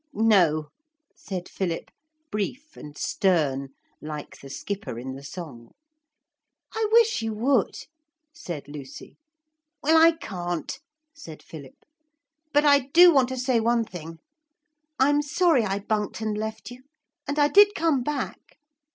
'No,' said Philip, brief and stern like the skipper in the song. 'I wish you would,' said Lucy. 'Well, I can't,' said Philip; 'but I do want to say one thing. I'm sorry I bunked and left you. And I did come back.'